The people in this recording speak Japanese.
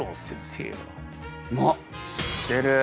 あっ知ってる。